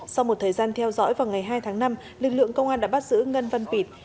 sau một thời gian theo dõi vào ngày hai tháng năm lực lượng công an đã bắt giữ ngân văn pịt